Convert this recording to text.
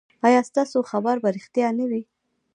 ایا ستاسو خبر به ریښتیا نه وي؟